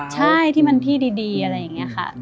ใช่ที่มันที่ดีอะไรอย่างนี้ค่ะ